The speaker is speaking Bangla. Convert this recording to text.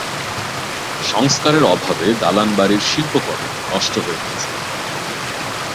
সংস্কারের অভাবে দালান বাড়ির শিল্পকর্ম নষ্ট হয়ে গেছে।